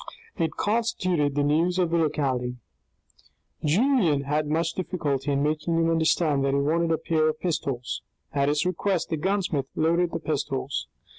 It constituted the news of the locality. Julien had much difficulty in making him understand that he wanted a pair of pistols. At his request the gunsmith loaded the pistols.